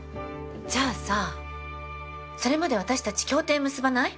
じゃあさそれまで私たち協定結ばない？